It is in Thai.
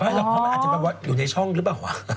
อาจจะแปลว่าอยู่ในช่องรึเปล่าเหรอ